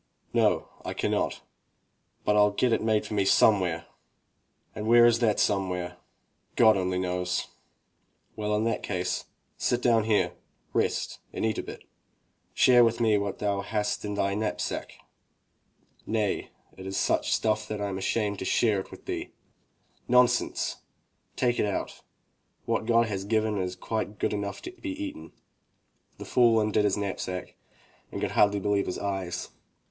"No, I cannot, but Fll get it made for me somewhere." "And where is that somewhere?" "God only knows." "Well, in that case, sit down here, rest and eat a bit. Share with me what thou hast in thy knapsack." "Nay, it is such stuff that I am ashamed to share it with thee." 184 THROUGH FAIRY HALLS "Nonsense! Take it out! What God has given is quite good enough to be eaten." The fool undid his knapsack and could hardly believe his eyes.